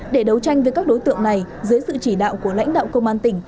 để đấu tranh với các đối tượng này dưới sự chỉ đạo của lãnh đạo công an tỉnh